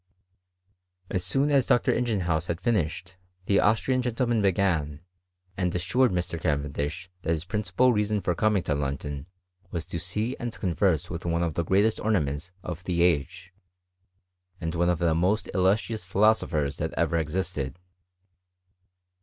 As soon as Dr. ingenhouaz had fioiahed, the Austrian gentleman began, and assured Mr, Cavendish thatbis principal reason for coming to London was to see and converse with one of the greatest ornaments of the age, and one of the most illustrious philosophers that ever existed.